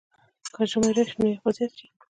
که ژمی راشي، نو یخ به زیات شي.